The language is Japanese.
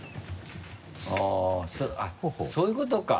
あっそういうことか。